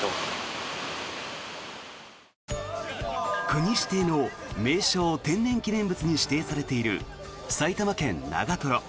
国指定の名勝・天然記念物に指定されている埼玉県長瀞。